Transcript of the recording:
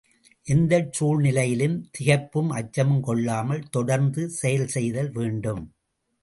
எந்தச் சூழ்நிலையிலும் திகைப்பும் அச்சமும் கொள்ளாமல் தொடர்ந்து செயல் செய்தல் வேண்டும்.